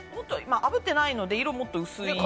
あぶってないから色はもっと薄いけど。